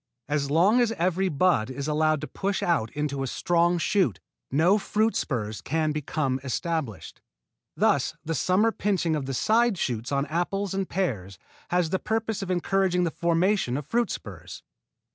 As long as every bud is allowed to push out into a strong shoot no fruit spurs can become established. Thus the summer pinching of the side shoots on apples and pears has the purpose of encouraging the formation of fruit spurs.